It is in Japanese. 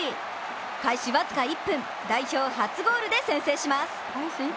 開始僅か１分、代表初ゴールで先制します。